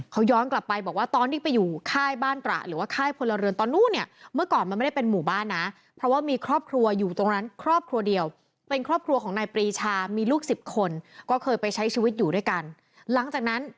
เขาย้อนกลับไปบอกว่าตอนที่ไปอยู่ค่ายบ้านตระหรือว่าค่ายพลเรือนตอนนู้น